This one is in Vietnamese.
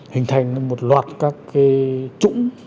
hình thành một loạt các trũng